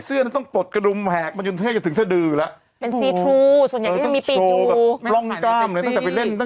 เมื่อก่อนมันไม่ได้มีขายนี่แบบนี้โอ้โฮ